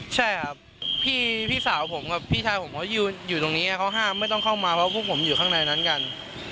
ใช่ครับพี่สาวผมกับพี่ชายผมเขายืนอยู่ตรงนี้เขาห้ามไม่ต้องเข้ามาเพราะพวกผมอยู่ข้างในนั้นกัน